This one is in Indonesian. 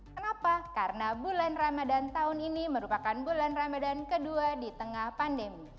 kenapa karena bulan ramadan tahun ini merupakan bulan ramadan kedua di tengah pandemi